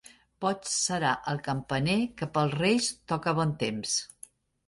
Boig serà el campaner que pels Reis toca a bon temps.